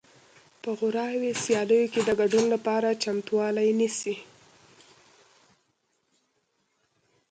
په غوراوي سیالیو کې د ګډون لپاره چمتووالی نیسي